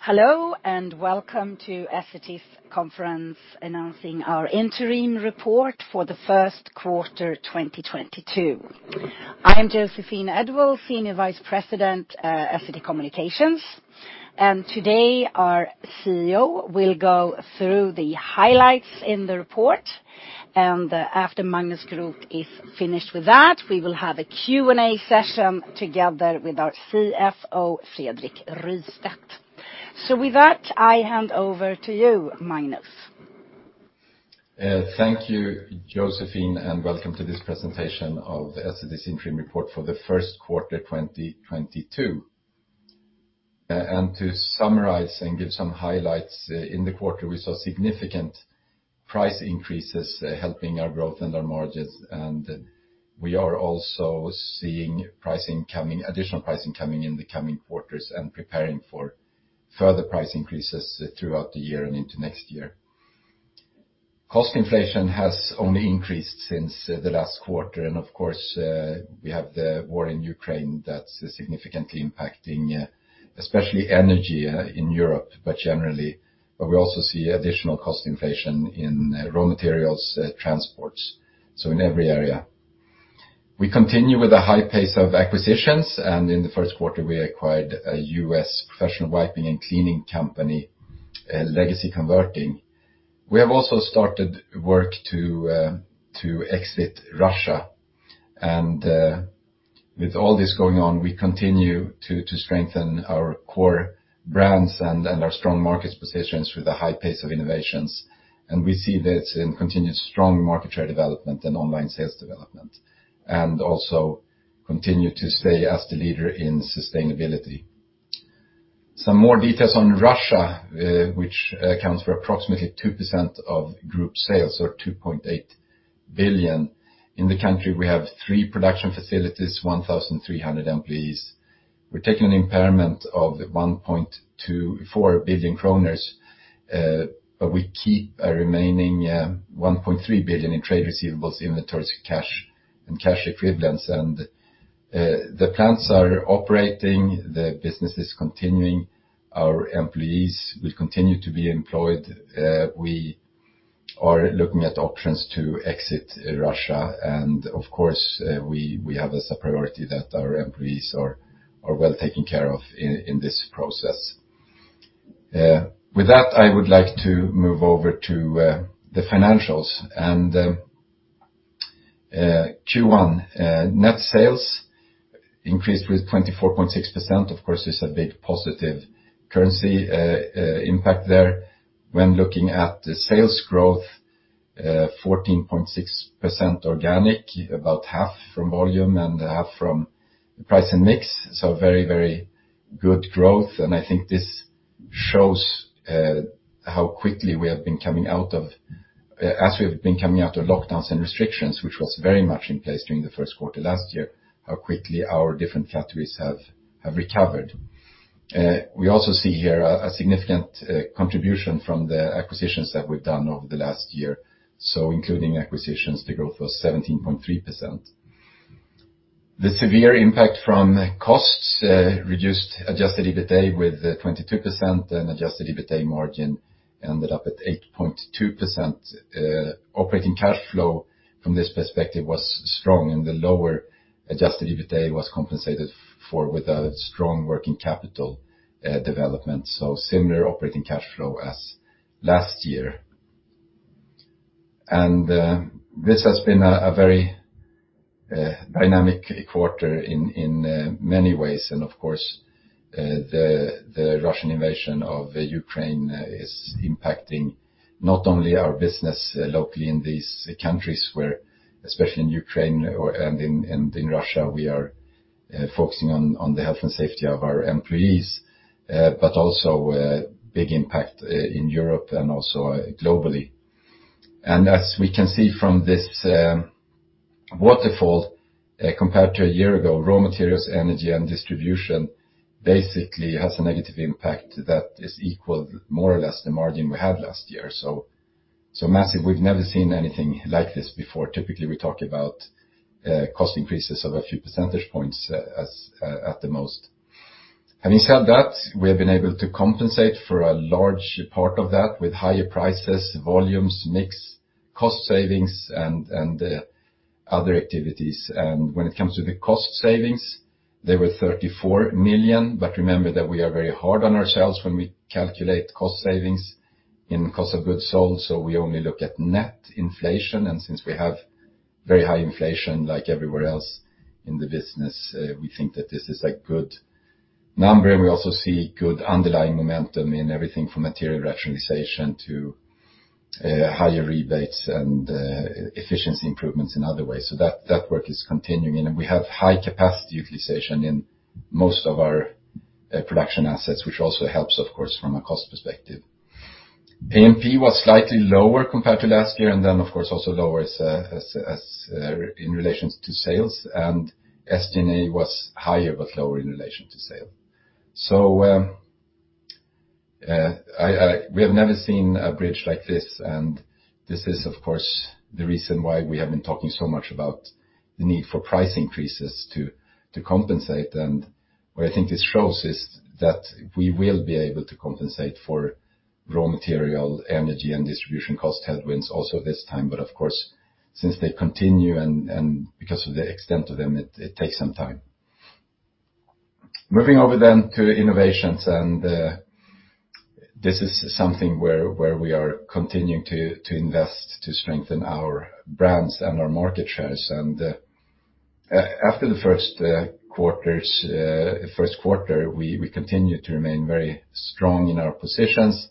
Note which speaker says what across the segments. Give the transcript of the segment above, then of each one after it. Speaker 1: Hello, and welcome to Essity's conference announcing our interim report for the first quarter 2022. I am Joséphine Edwall, Senior Vice President, Essity Communications. Today our CEO will go through the highlights in the report. After Magnus Groth is finished with that, we will have a Q&A session together with our CFO, Fredrik Rystedt. With that, I hand over to you, Magnus.
Speaker 2: Thank you, Joséphine, and welcome to this presentation of Essity's interim report for the first quarter 2022. To summarize and give some highlights, in the quarter, we saw significant price increases, helping our growth and our margins, and we are also seeing additional pricing coming in the coming quarters and preparing for further price increases throughout the year and into next year. Cost inflation has only increased since the last quarter, and of course, we have the war in Ukraine that's significantly impacting, especially energy, in Europe, but generally. We also see additional cost inflation in raw materials, transports, so in every area. We continue with a high pace of acquisitions, and in the first quarter, we acquired a U.S. professional wiping and cleaning company, Legacy Converting. We have also started work to exit Russia. With all this going on, we continue to strengthen our core brands and our strong market positions with a high pace of innovations. We see this in continued strong market share development and online sales development, and also continue to stay as the leader in sustainability. Some more details on Russia, which accounts for approximately 2% of group sales or 2.8 billion. In the country, we have three production facilities, 1,300 employees. We're taking an impairment of 1.24 billion kronor, but we keep a remaining 1.3 billion in trade receivables, inventories, cash, and cash equivalents. The plants are operating, the business is continuing, our employees will continue to be employed. We are looking at options to exit Russia, and of course, we have as a priority that our employees are well taken care of in this process. With that, I would like to move over to the financials. Q1 net sales increased with 24.6%. Of course, there's a big positive currency impact there. When looking at the sales growth, 14.6% organic, about half from volume and half from price and mix, so very, very good growth. I think this shows how quickly we have been coming out of, as we've been coming out of lockdowns and restrictions, which was very much in place during the first quarter last year, how quickly our different categories have recovered. We also see here a significant contribution from the acquisitions that we've done over the last year. Including acquisitions, the growth was 17.3%. The severe impact from costs reduced adjusted EBITA with 22% and adjusted EBITA margin ended up at 8.2%. Operating cash flow from this perspective was strong, and the lower adjusted EBITA was compensated for with a strong working capital development, so similar operating cash flow as last year. This has been a very dynamic quarter in many ways. Of course, the Russian invasion of Ukraine is impacting not only our business locally in these countries where, especially in Ukraine and in Russia, we are focusing on the health and safety of our employees, but also a big impact in Europe and also globally. As we can see from this waterfall, compared to a year ago, raw materials, energy, and distribution basically has a negative impact that is equal more or less the margin we had last year. Massive. We've never seen anything like this before. Typically, we talk about cost increases of a few percentage points at the most. Having said that, we have been able to compensate for a large part of that with higher prices, volumes, mix, cost savings, and other activities. When it comes to the cost savings, they were 34 million. Remember that we are very hard on ourselves when we calculate cost savings in cost of goods sold, so we only look at net inflation. Since we have very high inflation like everywhere else in the business, we think that this is a good number. We also see good underlying momentum in everything from material rationalization to higher rebates and efficiency improvements in other ways. That work is continuing. We have high capacity utilization in most of our production assets, which also helps, of course, from a cost perspective. A&P was slightly lower compared to last year, and then of course, also lower as in relation to sales. SG&A was higher, but lower in relation to sales. We have never seen a bridge like this, and this is of course the reason why we have been talking so much about the need for price increases to compensate. What I think this shows is that we will be able to compensate for raw material, energy, and distribution cost headwinds also this time. Of course, since they continue and because of the extent of them, it takes some time. Moving over to innovations, this is something where we are continuing to invest to strengthen our brands and our market shares. After the first quarter, we continued to remain very strong in our positions,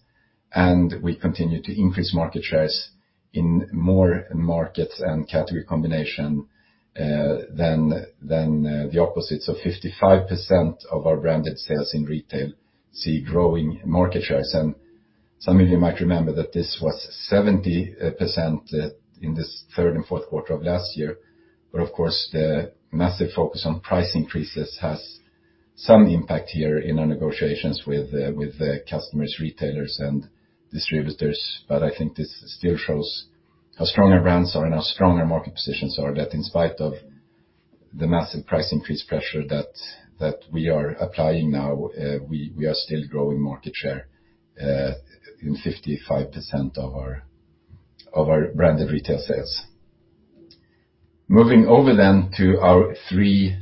Speaker 2: and we continued to increase market shares in more markets and category combination than over 55% of our branded sales in retail we see growing market shares. Some of you might remember that this was 70% in the third and fourth quarter of last year. Of course, the massive focus on price increases has some impact here in our negotiations with customers, retailers, and distributors. I think this still shows how strong our brands are and how strong our market positions are, that in spite of the massive price increase pressure that we are applying now, we are still growing market share in 55% of our branded retail sales. Moving over to our three,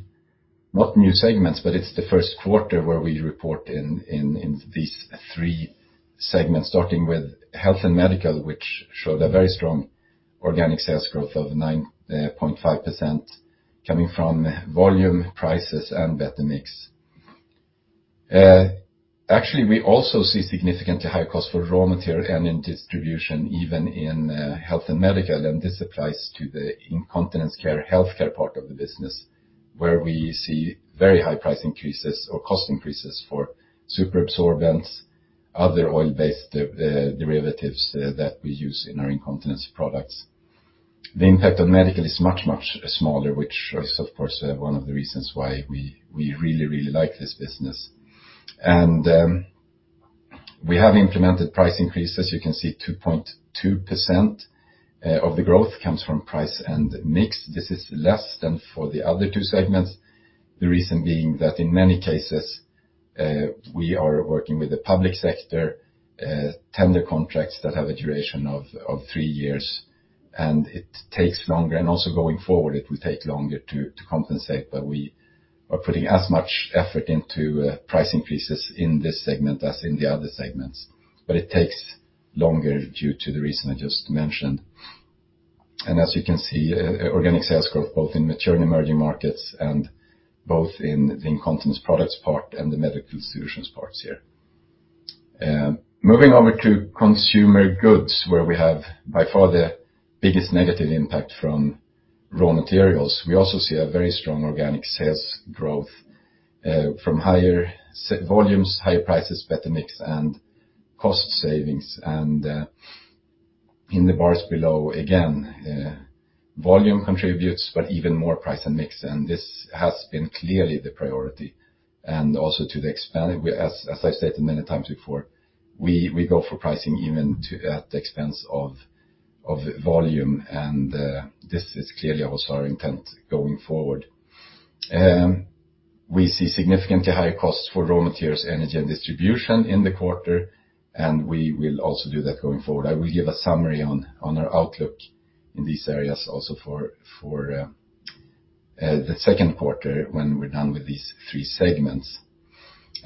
Speaker 2: not new segments, but it's the first quarter where we report in these three segments, starting with Health & Medical, which showed a very strong organic sales growth of 9.5% coming from volume, prices, and better mix. Actually, we also see significantly high cost for raw material and in distribution, even in Health & Medical, and this applies to the incontinence care healthcare part of the business, where we see very high price increases or cost increases for super absorbents, other oil-based derivatives that we use in our incontinence products. The impact on medical is much smaller, which is of course one of the reasons why we really like this business. We have implemented price increases. You can see 2.2% of the growth comes from price and mix. This is less than for the other two segments, the reason being that in many cases, we are working with the public sector tender contracts that have a duration of three years, and it takes longer. Also going forward, it will take longer to compensate. We are putting as much effort into price increases in this segment as in the other segments. It takes longer due to the reason I just mentioned. As you can see, organic sales growth both in mature and emerging markets and both in the incontinence products part and the medical solutions parts here. Moving over to Consumer Goods, where we have by far the biggest negative impact from raw materials. We also see a very strong organic sales growth from higher volumes, higher prices, better mix, and cost savings. In the bars below, again, volume contributes, but even more price and mix, and this has been clearly the priority. As I've stated many times before, we go for pricing even at the expense of volume, and this is clearly also our intent going forward. We see significantly higher costs for raw materials, energy, and distribution in the quarter, and we will also do that going forward. I will give a summary on our outlook in these areas also for the second quarter when we're done with these three segments.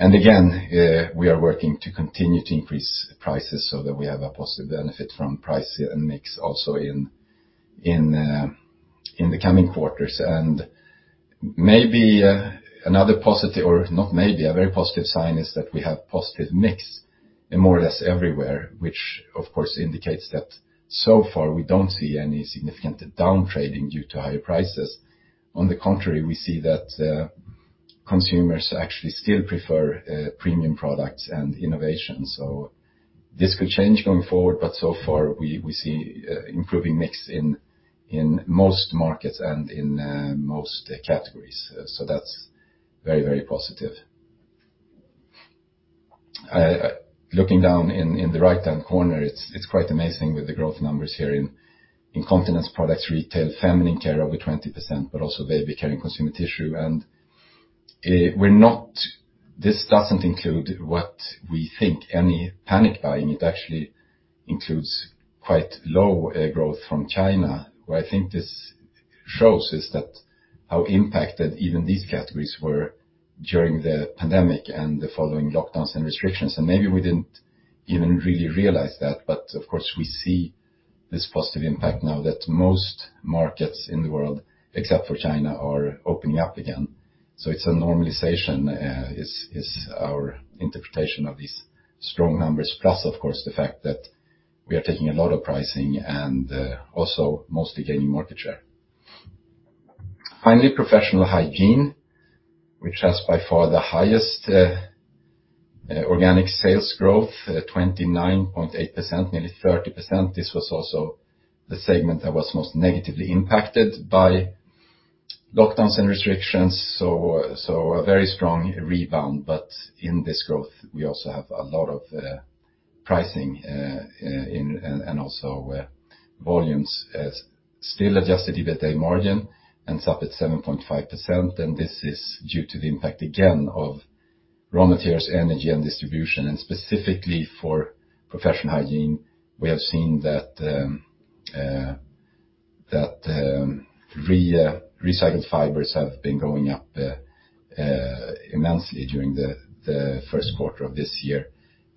Speaker 2: Again, we are working to continue to increase prices so that we have a positive benefit from price and mix also in the coming quarters. Maybe another positive, or not maybe, a very positive sign is that we have positive mix more or less everywhere, which of course indicates that so far we don't see any significant downtrading due to higher prices. On the contrary, we see that consumers actually still prefer premium products and innovation. This could change going forward, but so far we see improving mix in most markets and in most categories. That's very, very positive. Looking down in the right-hand corner, it's quite amazing with the growth numbers here in incontinence products, retail, feminine care over 20%, but also baby care and consumer tissue. This doesn't include what we think any panic buying. It actually includes quite low growth from China. What I think this shows is how impacted even these categories were during the pandemic and the following lockdowns and restrictions. Maybe we didn't even really realize that. Of course, we see this positive impact now that most markets in the world, except for China, are opening up again. It's a normalization is our interpretation of these strong numbers. Plus, of course, the fact that we are taking a lot of pricing and also mostly gaining market share. Finally, Professional Hygiene, which has by far the highest organic sales growth, at 29.8%, nearly 30%. This was also the segment that was most negatively impacted by lockdowns and restrictions. A very strong rebound. In this growth, we also have a lot of pricing and also volumes as the adjusted EBITA margin ends up at 7.5%, and this is due to the impact again of raw materials, energy and distribution. Specifically for Professional Hygiene, we have seen that recycled fibers have been going up immensely during the first quarter of this year.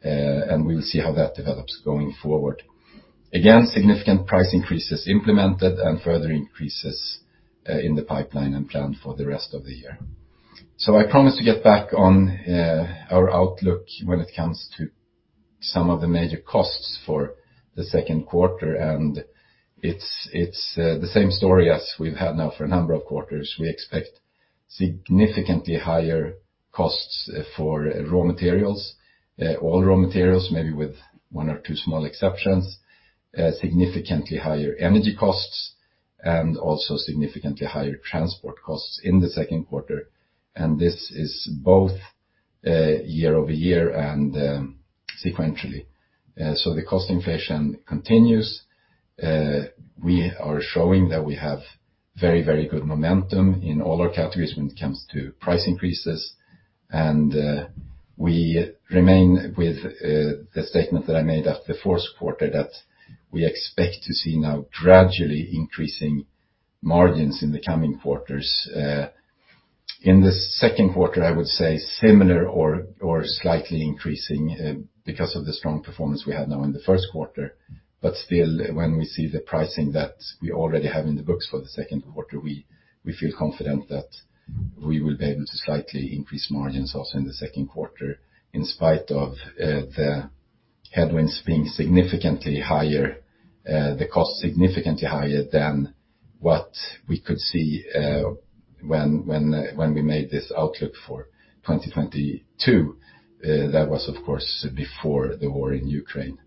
Speaker 2: We will see how that develops going forward. Again, significant price increases implemented and further increases in the pipeline and planned for the rest of the year. I promise to get back on our outlook when it comes to some of the major costs for the second quarter, and it's the same story as we've had now for a number of quarters. We expect significantly higher costs for raw materials, all raw materials, maybe with one or two small exceptions, significantly higher energy costs, and also significantly higher transport costs in the second quarter. This is both year-over-year and sequentially. The cost inflation continues. We are showing that we have very, very good momentum in all our categories when it comes to price increases. We remain with the statement that I made at the fourth quarter that we expect to see now gradually increasing margins in the coming quarters. In the second quarter, I would say similar or slightly increasing because of the strong performance we had now in the first quarter. Still, when we see the pricing that we already have in the books for the second quarter, we feel confident that we will be able to slightly increase margins also in the second quarter, in spite of the headwinds being significantly higher, the cost significantly higher than what we could see when we made this outlook for 2022. That was of course before the war in Ukraine.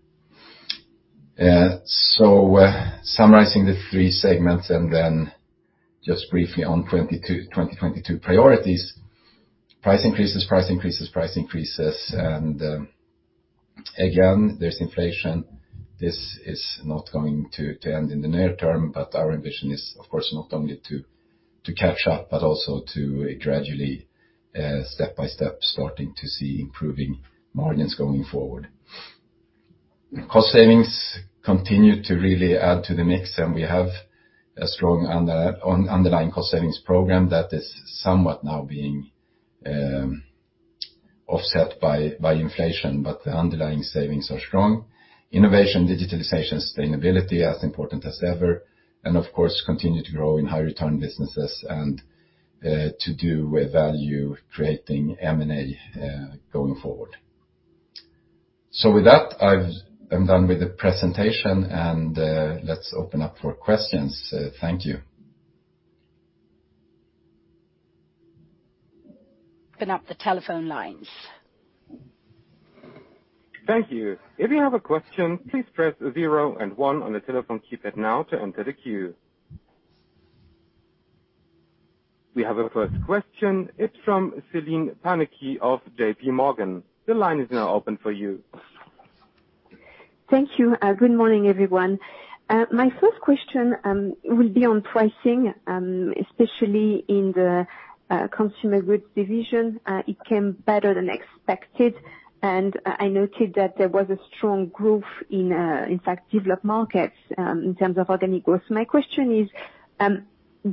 Speaker 2: Summarizing the three segments and then just briefly on 2022 priorities. Price increases, price increases, price increases. Again, there's inflation. This is not going to end in the near term, but our ambition is of course not only to catch up, but also to gradually step by step, starting to see improving margins going forward. Cost savings continue to really add to the mix, and we have a strong underlying cost savings program that is somewhat now being offset by inflation. The underlying savings are strong. Innovation, digitalization, sustainability, as important as ever. Of course continue to grow in high return businesses and to do with value creating M&A going forward. With that, I'm done with the presentation and let's open up for questions. Thank you.
Speaker 1: Open up the telephone lines.
Speaker 3: Thank you. If you have a question, please press zero and one of the telephone keypad now to enter the queue. We have a first question. It's from Celine Pannuti of JPMorgan. The line is now open for you.
Speaker 4: Thank you. Good morning, everyone. My first question will be on pricing, especially in the Consumer Goods division. It came better than expected. I noted that there was a strong growth, in fact, developed markets in terms of organic growth. My question is,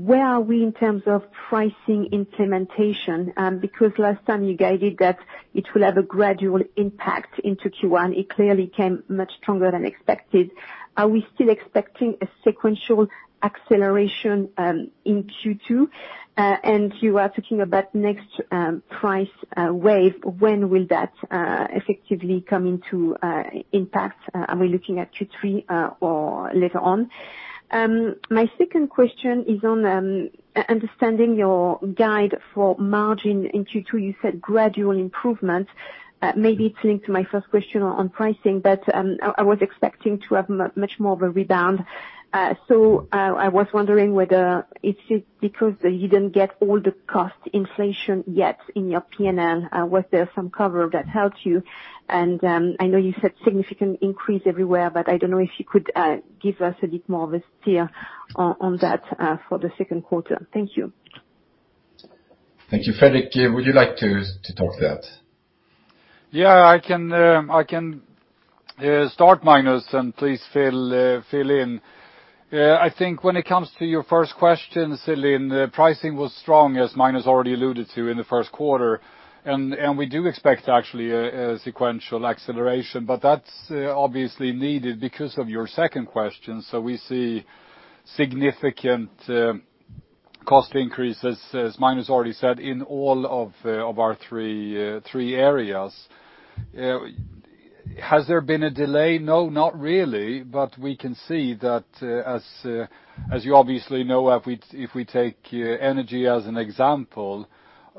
Speaker 4: where are we in terms of pricing implementation? Because last time you guided that it will have a gradual impact into Q1. It clearly came much stronger than expected. Are we still expecting a sequential acceleration in Q2? You are talking about next price wave. When will that effectively come into impact? Are we looking at Q3 or later on? My second question is on understanding your guide for margin in Q2. You said gradual improvement. Maybe it's linked to my first question on pricing, but I was expecting to have much more of a rebound. I was wondering whether it's just because you didn't get all the cost inflation yet in your P&L. Was there some cover that helped you? I know you said significant increase everywhere, but I don't know if you could give us a bit more of a steer on that for the second quarter. Thank you.
Speaker 2: Thank you. Fredrik, would you like to talk to that?
Speaker 5: Yeah, I can start, Magnus, and please fill in. I think when it comes to your first question, Celine, pricing was strong, as Magnus already alluded to in the first quarter. We do expect actually a sequential acceleration, but that's obviously needed because of your second question. We see significant cost increases, as Magnus already said, in all of our three areas. Has there been a delay? No, not really. We can see that as you obviously know, if we take energy as an example,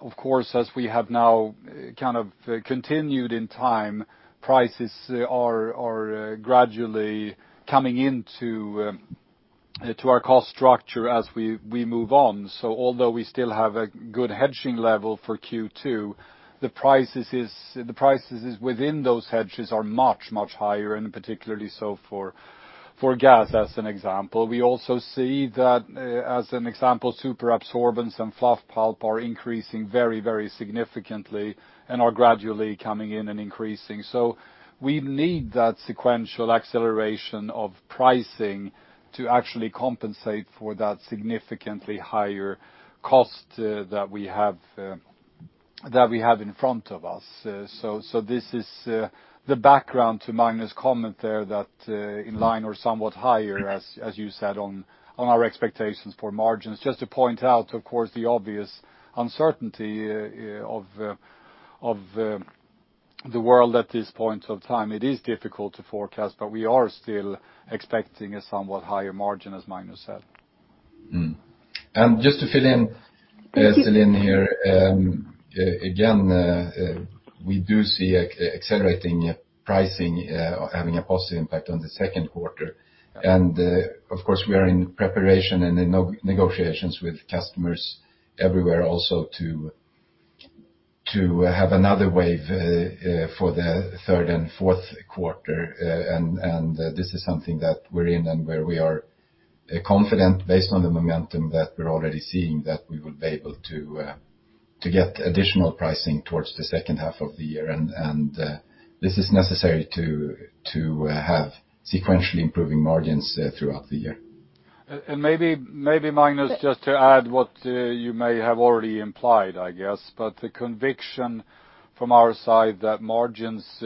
Speaker 5: of course, as we have now kind of continued in time, prices are gradually coming into our cost structure as we move on. Although we still have a good hedging level for Q2, the prices within those hedges are much, much higher, and particularly so for gas as an example. We also see that, as an example, super absorbents and fluff pulp are increasing very, very significantly and are gradually coming in and increasing. We need that sequential acceleration of pricing to actually compensate for that significantly higher cost that we have in front of us. This is the background to Magnus' comment there that in line or somewhat higher as you said on our expectations for margins. Just to point out, of course, the obvious uncertainty of the world at this point of time. It is difficult to forecast, but we are still expecting a somewhat higher margin, as Magnus said.
Speaker 2: Just to fill in.
Speaker 4: Yes.
Speaker 2: Celine here, again, we do see accelerating pricing having a positive impact on the second quarter. Of course, we are in preparation and in negotiations with customers everywhere also to have another wave for the third and fourth quarter. This is something that we're in and where we are confident based on the momentum that we're already seeing that we will be able to get additional pricing towards the second half of the year. This is necessary to have sequentially improving margins throughout the year.
Speaker 5: Maybe Magnus, just to add what you may have already implied, I guess, but the conviction from our side that margins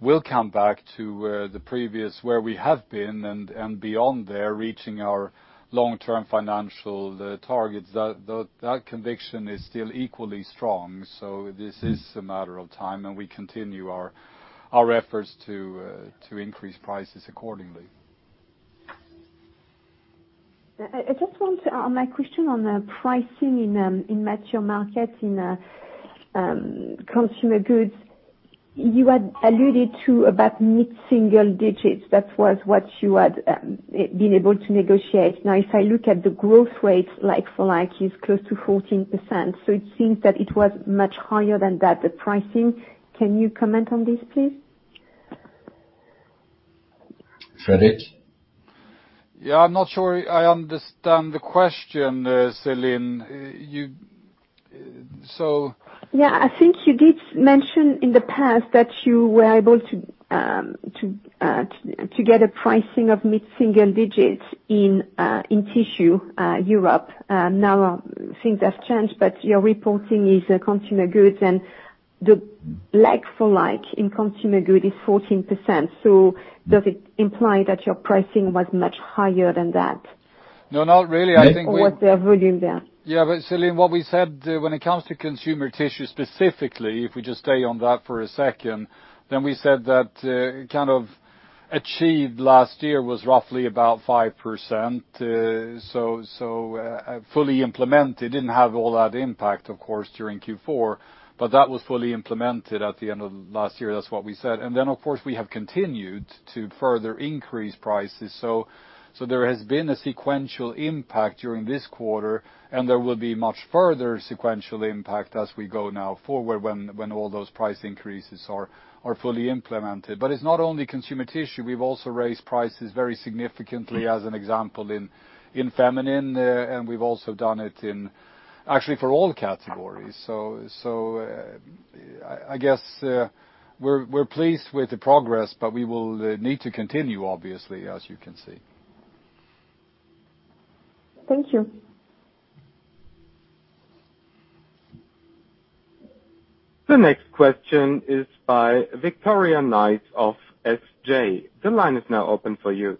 Speaker 5: will come back to the previous where we have been and beyond there, reaching our long-term financial targets, that conviction is still equally strong. This is a matter of time, and we continue our efforts to increase prices accordingly.
Speaker 4: My question on the pricing in mature markets in Consumer Goods you had alluded to about mid-single digits. That was what you had been able to negotiate. Now, if I look at the growth rates, like for like, it's close to 14%, so it seems that it was much higher than that, the pricing. Can you comment on this, please?
Speaker 2: Fredrik?
Speaker 5: Yeah, I'm not sure I understand the question, Celine.
Speaker 4: Yeah. I think you did mention in the past that you were able to get a pricing of mid-single digits in tissue Europe. Now things have changed, but your reporting is consumer goods, and the like-for-like in Consumer Goods is 14%. Does it imply that your pricing was much higher than that?
Speaker 5: No, not really. I think we
Speaker 4: Was there volume there?
Speaker 5: Celine, what we said when it comes to consumer tissue specifically, if we just stay on that for a second, then we said that kind of achieved last year was roughly about 5%, so fully implemented, didn't have all that impact of course during Q4, but that was fully implemented at the end of last year. That's what we said. Of course, we have continued to further increase prices. There has been a sequential impact during this quarter, and there will be much further sequential impact as we go now forward when all those price increases are fully implemented. It's not only consumer tissue. We've also raised prices very significantly as an example in feminine, and we've also done it actually for all categories. I guess we're pleased with the progress, but we will need to continue obviously as you can see.
Speaker 4: Thank you.
Speaker 3: The next question is by Victoria Nice of SG. The line is now open for you.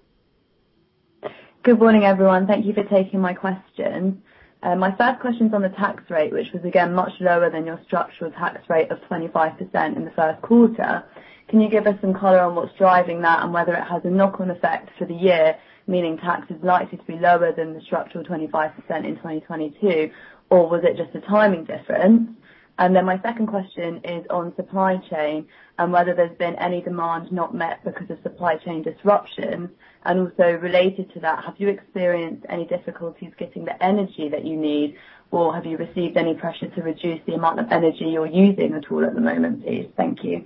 Speaker 6: Good morning, everyone. Thank you for taking my question. My first question is on the tax rate, which was again much lower than your structural tax rate of 25% in the first quarter. Can you give us some color on what's driving that and whether it has a knock-on effect for the year, meaning tax is likely to be lower than the structural 25% in 2022? Or was it just a timing difference? My second question is on supply chain and whether there's been any demand not met because of supply chain disruption. Also related to that, have you experienced any difficulties getting the energy that you need, or have you received any pressure to reduce the amount of energy you're using at all at the moment, please? Thank you.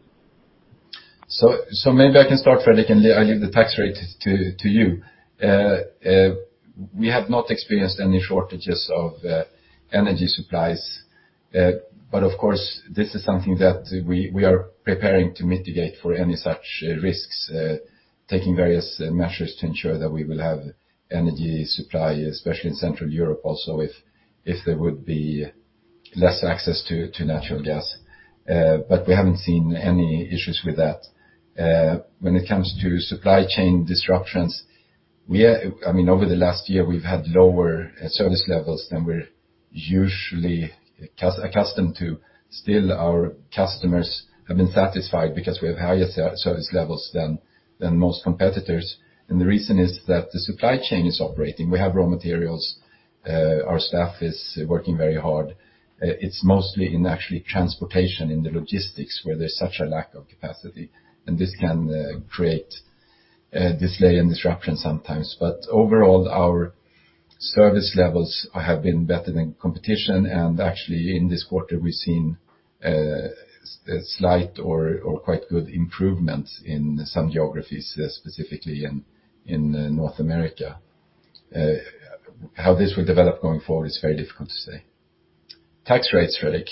Speaker 2: Maybe I can start, Fredrik, and I'll leave the tax rate to you. We have not experienced any shortages of energy supplies. But of course, this is something that we are preparing to mitigate for any such risks, taking various measures to ensure that we will have energy supply, especially in Central Europe, also if there would be less access to natural gas. But we haven't seen any issues with that. When it comes to supply chain disruptions, I mean, over the last year, we've had lower service levels than we're usually accustomed to. Still, our customers have been satisfied because we have higher service levels than most competitors. The reason is that the supply chain is operating. We have raw materials. Our staff is working very hard. It's mostly in, actually, transportation and logistics where there's such a lack of capacity, and this can create delays and disruption sometimes. But overall, our service levels have been better than competition, and actually in this quarter we've seen a slight or quite good improvements in some geographies, specifically in North America. How this will develop going forward is very difficult to say. Tax rates, Fredrik.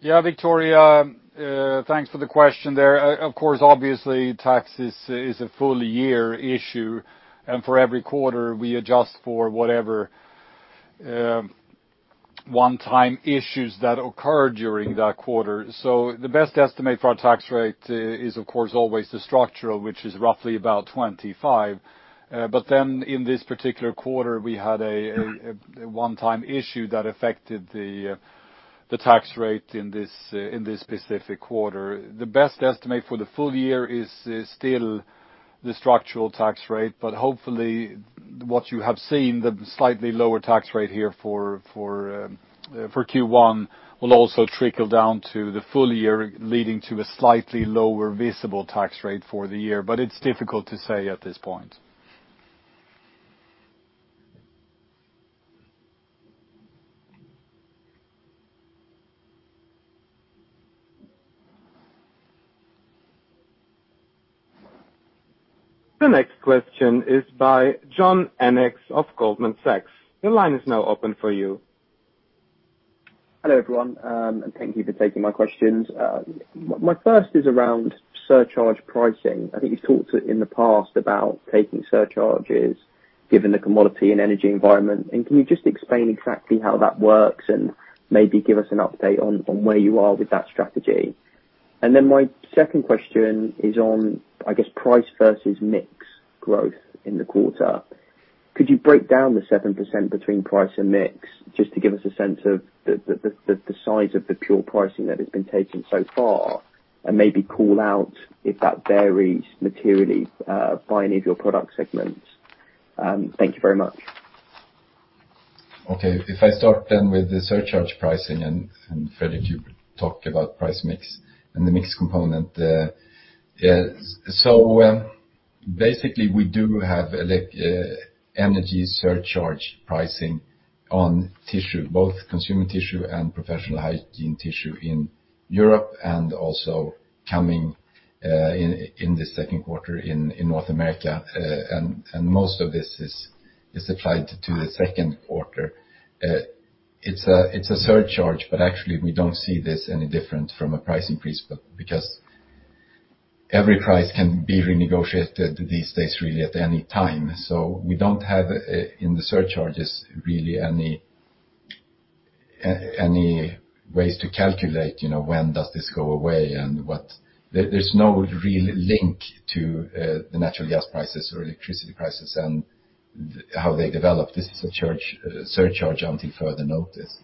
Speaker 5: Yeah, Victoria, thanks for the question there. Of course, obviously, tax is a full year issue, and for every quarter we adjust for whatever one-time issues that occur during that quarter. The best estimate for our tax rate is of course always the structural, which is roughly about 25%. In this particular quarter we had a one-time issue that affected the tax rate in this specific quarter. The best estimate for the full year is still the structural tax rate, but hopefully what you have seen, the slightly lower tax rate here for Q1 will also trickle down to the full year leading to a slightly lower visible tax rate for the year. It's difficult to say at this point.
Speaker 3: The next question is by John Ennis of Goldman Sachs. Your line is now open for you.
Speaker 7: Hello, everyone, and thank you for taking my questions. My first is around surcharge pricing. I think you've talked in the past about taking surcharges given the commodity and energy environment. Can you just explain exactly how that works and maybe give us an update on where you are with that strategy? Then my second question is on, I guess price versus mix growth in the quarter. Could you break down the 7% between price and mix, just to give us a sense of the size of the pure pricing that has been taken so far, and maybe call out if that varies materially by any of your product segments? Thank you very much.
Speaker 2: If I start with the surcharge pricing, and Fredrik, you talk about price mix and the mix component. Basically we do have energy surcharge pricing on tissue, both consumer tissue and Professional Hygiene tissue in Europe and also coming in the second quarter in North America. And most of this is applied to the second quarter. It's a surcharge, but actually we don't see this any different from a price increase because every price can be renegotiated these days really at any time. We don't have, in the surcharges, really any ways to calculate, you know, when does this go away and what. There's no real link to the natural gas prices or electricity prices and how they develop. This is a surcharge until further notice.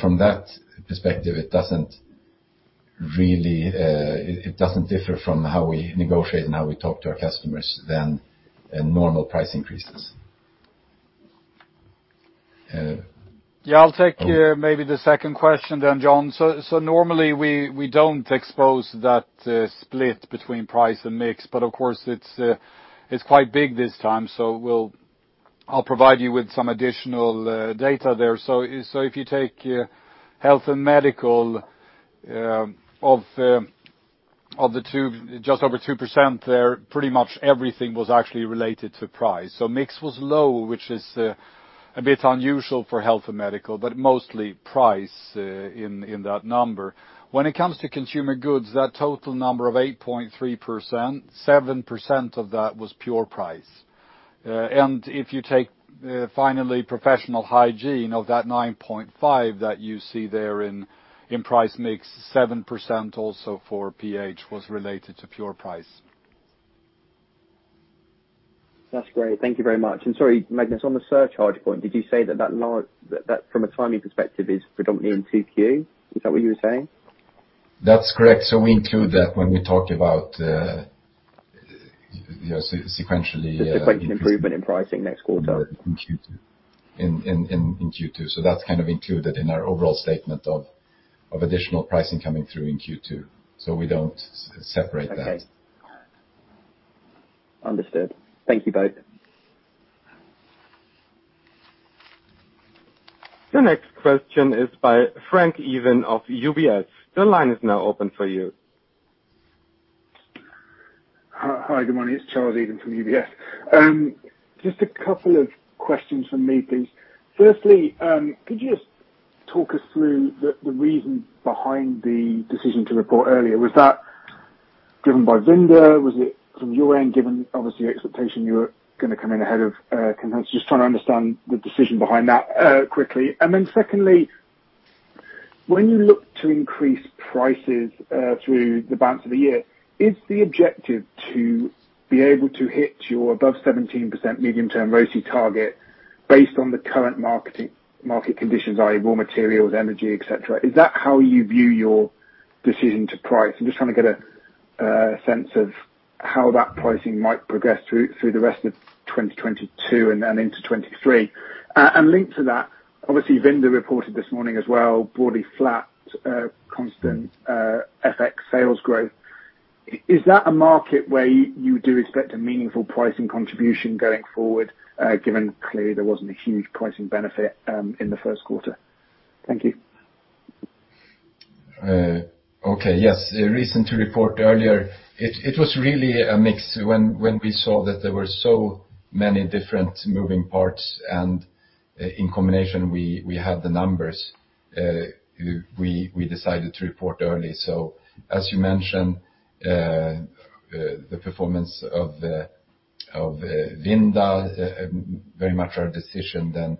Speaker 2: From that perspective, it doesn't differ from how we negotiate and how we talk to our customers in normal price increases.
Speaker 5: Yeah, I'll take maybe the second question then, John. Normally we don't expose that split between price and mix, but of course it's quite big this time. We'll provide you with some additional data there. If you take Health & Medical, of the two, just over 2% there, pretty much everything was actually related to price. Mix was low, which is a bit unusual for Health & Medical, but mostly price in that number. When it comes to Consumer Goods, that total number of 8.3%, 7% of that was pure price. If you take finally Professional Hygiene of that 9.5% that you see there in price mix, 7% also for PH was related to pure price.
Speaker 7: That's great. Thank you very much. Sorry, Magnus, on the surcharge point, did you say that now, that from a timing perspective is predominantly in 2Q? Is that what you were saying?
Speaker 2: That's correct. We include that when we talk about, you know, sequentially.
Speaker 7: The sequential improvement in pricing next quarter.
Speaker 2: In Q2. That's kind of included in our overall statement of additional pricing coming through in Q2. We don't separate that.
Speaker 7: Okay. Understood. Thank you both.
Speaker 3: The next question is by Charles Eden of UBS. The line is now open for you.
Speaker 8: Hi. Good morning. It's Charles Eden from UBS. Just a couple of questions from me, please. Firstly, could you just talk us through the reason behind the decision to report earlier? Was that driven by Vinda? Was it from your end, given obviously the expectation you were gonna come in ahead of consensus? Just trying to understand the decision behind that quickly. Then secondly, when you look to increase prices through the balance of the year, is the objective to be able to hit your above 17% medium-term ROCE target based on the current market conditions, i.e. raw materials, energy, et cetera? Is that how you view your decision to price? I'm just trying to get a sense of how that pricing might progress through the rest of 2022 and then into 2023. Linked to that, obviously Vinda reported this morning as well, broadly flat, constant FX sales growth. Is that a market where you do expect a meaningful pricing contribution going forward, given clearly there wasn't a huge pricing benefit in the first quarter? Thank you.
Speaker 2: Okay. Yes. The reason to report earlier was really a mix when we saw that there were so many different moving parts, and in combination we had the numbers we decided to report early. As you mentioned, the performance of Vinda very much our decision then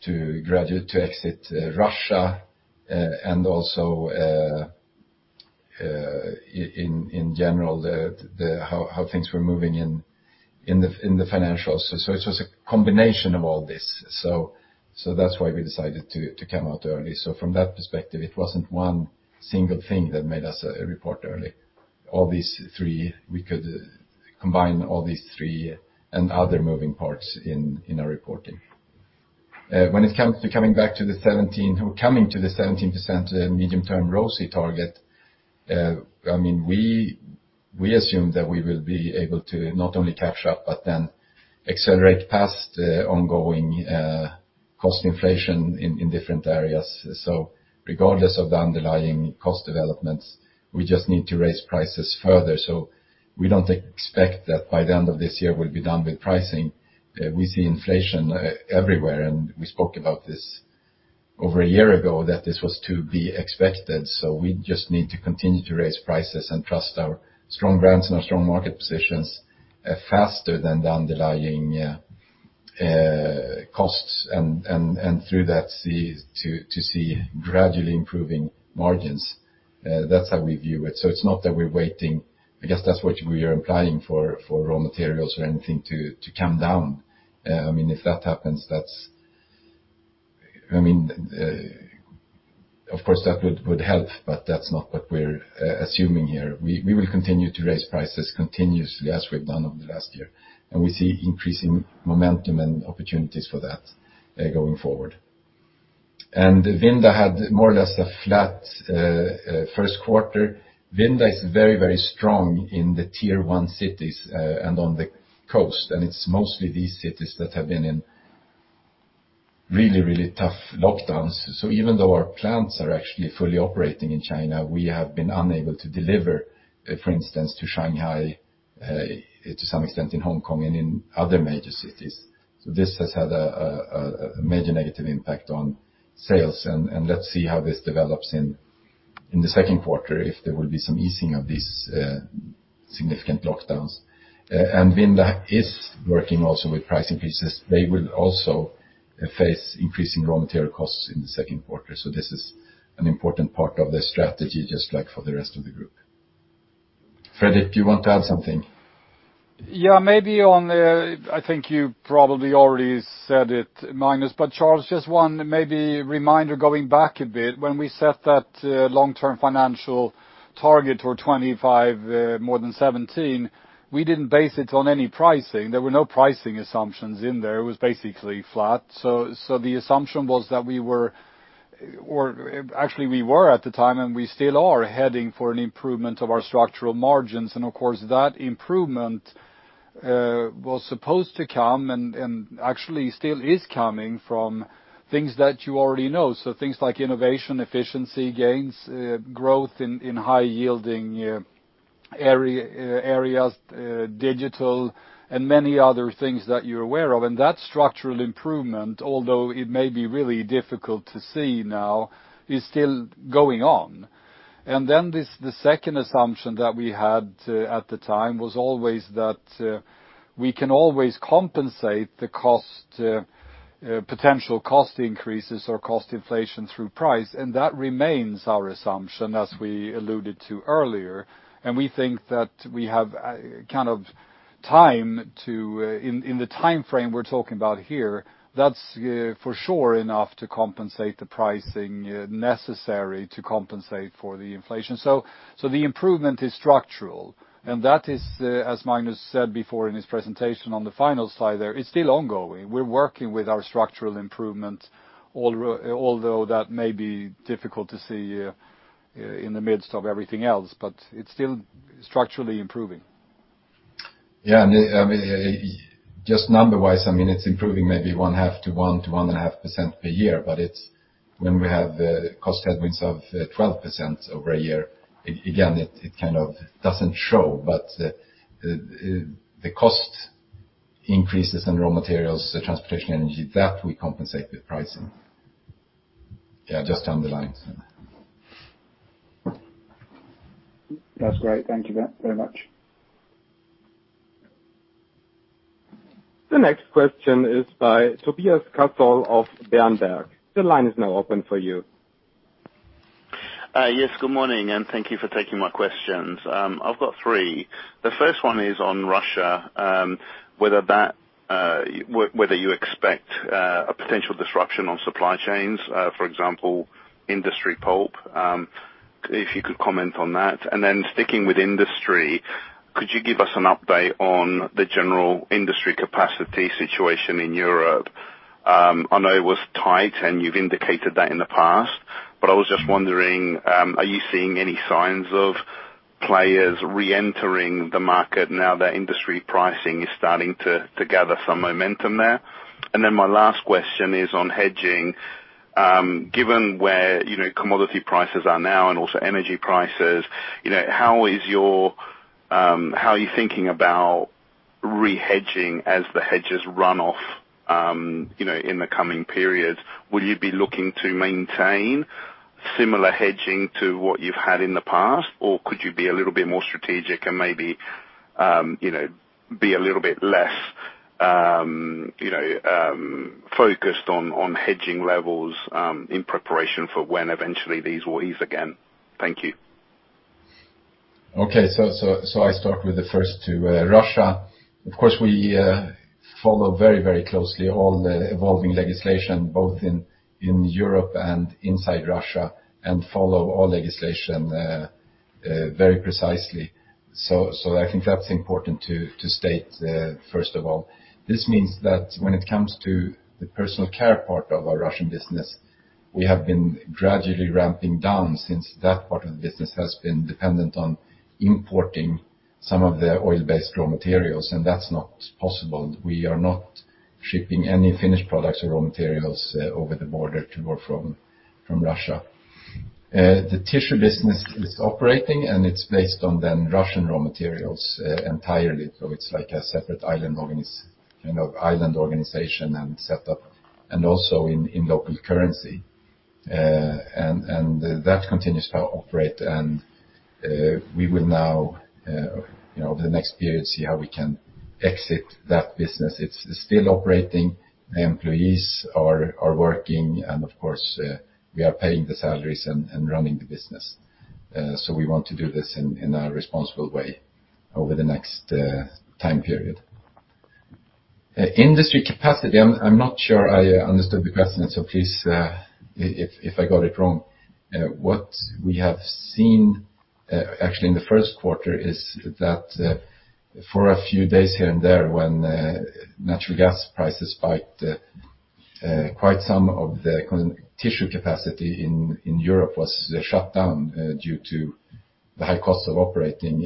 Speaker 2: to exit Russia and also in general how things were moving in the financials. It was a combination of all this. That's why we decided to come out early. From that perspective, it wasn't one single thing that made us report early. We could combine all these three and other moving parts in our reporting. When it comes to coming to the 17% medium-term ROCE target, I mean, we assume that we will be able to not only capture it, but then accelerate past the ongoing cost inflation in different areas. Regardless of the underlying cost developments, we just need to raise prices further. We don't expect that by the end of this year, we'll be done with pricing. We see inflation everywhere, and we spoke about this over a year ago that this was to be expected, so we just need to continue to raise prices and trust our strong brands and our strong market positions faster than the underlying costs and, through that, to see gradually improving margins. That's how we view it. It's not that we're waiting. I guess that's what you're implying for raw materials or anything to come down. I mean, if that happens, I mean, of course, that would help, but that's not what we're assuming here. We will continue to raise prices continuously as we've done over the last year, and we see increasing momentum and opportunities for that, going forward. Vinda had more or less a flat first quarter. Vinda is very, very strong in the tier one cities and on the coast, and it's mostly these cities that have been in really, really tough lockdowns. Even though our plants are actually fully operating in China, we have been unable to deliver, for instance, to Shanghai, to some extent in Hong Kong and in other major cities. This has had a major negative impact on sales, and let's see how this develops in the second quarter if there will be some easing of these significant lockdowns. Vinda is working also with price increases. They will also face increasing raw material costs in the second quarter, so this is an important part of their strategy, just like for the rest of the group. Fredrik, do you want to add something?
Speaker 5: Yeah, maybe I think you probably already said it, Magnus, but Charles, just one maybe reminder going back a bit. When we set that long-term financial target for 2025, more than 17%, we didn't base it on any pricing. There were no pricing assumptions in there. It was basically flat. The assumption was that we were, or actually we were at the time, and we still are heading for an improvement of our structural margins. Of course, that improvement was supposed to come and actually still is coming from things that you already know. Things like innovation, efficiency gains, growth in high-yielding areas, digital and many other things that you're aware of. That structural improvement, although it may be really difficult to see now, is still going on. This, the second assumption that we had at the time was always that we can always compensate the cost potential cost increases or cost inflation through price, and that remains our assumption, as we alluded to earlier. We think that we have kind of time in the timeframe we're talking about here, that's for sure enough to compensate the pricing necessary to compensate for the inflation. The improvement is structural, and that is, as Magnus said before in his presentation on the final slide there, it's still ongoing. We're working with our structural improvement, although that may be difficult to see in the midst of everything else, but it's still structurally improving.
Speaker 2: I mean, just number-wise, I mean, it's improving maybe 0.5% to 1% to 1.5% per year. It's when we have cost headwinds of 12% over a year, again, it kind of doesn't show. The cost increases in raw materials, the transportation energy, that we compensate with pricing. Yeah, just to underline.
Speaker 8: That's great. Thank you very much.
Speaker 3: The next question is by Fulvio Cazzol of Berenberg. The line is now open for you.
Speaker 9: Yes. Good morning, and thank you for taking my questions. I've got three. The first one is on Russia, whether you expect a potential disruption on supply chains, for example, industry pulp. If you could comment on that. Then sticking with industry, could you give us an update on the general industry capacity situation in Europe? I know it was tight, and you've indicated that in the past, but I was just wondering, are you seeing any signs of players reentering the market now that industry pricing is starting to gather some momentum there? Then my last question is on hedging. Given where, you know, commodity prices are now and also energy prices, you know, how are you thinking about re-hedging as the hedges run off, you know, in the coming periods? Will you be looking to maintain similar hedging to what you've had in the past, or could you be a little bit more strategic and maybe, you know, be a little bit less, you know, focused on hedging levels, in preparation for when eventually these will ease again? Thank you.
Speaker 2: Okay. I start with the first topic, Russia. Of course, we follow very closely all the evolving legislation, both in Europe and inside Russia, and follow all legislation very precisely. I think that's important to state first of all. This means that when it comes to the personal care part of our Russian business, we have been gradually ramping down since that part of the business has been dependent on importing some of the oil-based raw materials, and that's not possible. We are not shipping any finished products or raw materials over the border to or from Russia. The tissue business is operating, and it's based on the Russian raw materials entirely. It's like a separate island organization and setup, and also in local currency. That continues to operate. We will now, you know, over the next period, see how we can exit that business. It's still operating. The employees are working, and of course, we are paying the salaries and running the business. We want to do this in a responsible way over the next time period. Industry capacity, I'm not sure I understood the question, so please, if I got it wrong. What we have seen, actually in the first quarter is that, for a few days here and there, when natural gas prices spiked, quite some of the tissue capacity in Europe was shut down, due to the high cost of operating.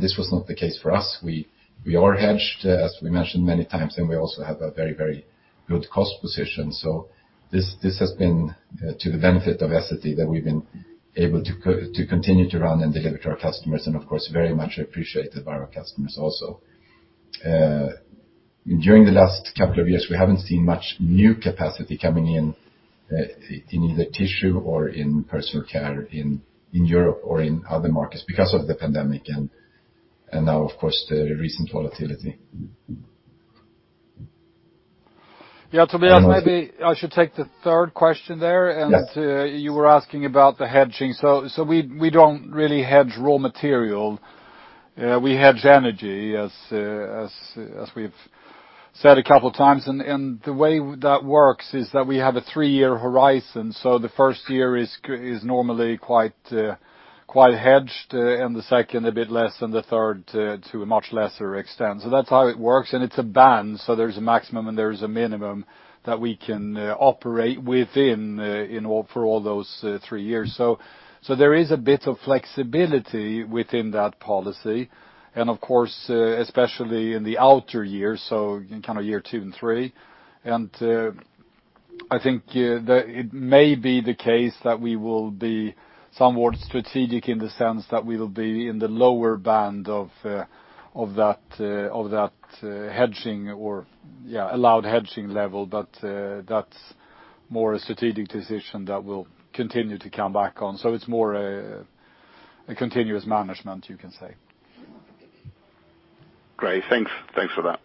Speaker 2: This was not the case for us. We are hedged, as we mentioned many times, and we also have a very, very good cost position. This has been to the benefit of Essity that we've been able to continue to run and deliver to our customers, and of course, very much appreciated by our customers also. During the last couple of years, we haven't seen much new capacity coming in in either tissue or in personal care in Europe or in other markets because of the pandemic and now, of course, the recent volatility.
Speaker 5: Yeah, Fulvio, maybe I should take the third question there.
Speaker 2: Yes.
Speaker 5: You were asking about the hedging. We don't really hedge raw material. We hedge energy, as we've said a couple of times. The way that works is that we have a three-year horizon. The first year is normally quite hedged, and the second a bit less, and the third to a much lesser extent. That's how it works. It's a band, so there's a maximum and there is a minimum that we can operate within, in all, for all those three years. There is a bit of flexibility within that policy, and of course, especially in the outer years, so in kinda year two and three. I think it may be the case that we will be somewhat strategic in the sense that we will be in the lower band of that hedging or, yeah, allowed hedging level. That's more a strategic decision that we'll continue to come back on. It's more a continuous management, you can say.
Speaker 9: Great. Thanks. Thanks for that.